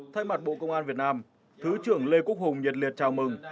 thay mặt bộ công an việt nam thứ trưởng lê quốc hùng nhiệt liệt chào mừng